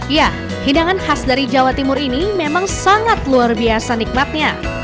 ya hidangan khas dari jawa timur ini memang sangat luar biasa nikmatnya